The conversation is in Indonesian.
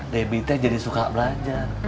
debbie teh jadi suka belajar